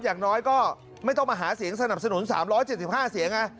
อย่างน้อยก็ไม่ต้องมาหาเสียงสนับสนุน๓๗๕เสียง